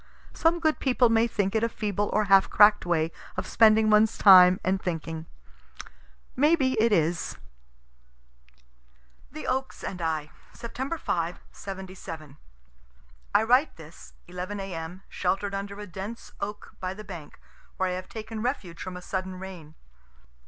Some good people may think it a feeble or half crack'd way of spending one's time and thinking. May be it is. THE OAKS AND I Sept. 5, '77. I write this, 11 A.M., shelter'd under a dense oak by the bank, where I have taken refuge from a sudden rain.